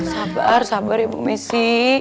sabar sabar ya bu messi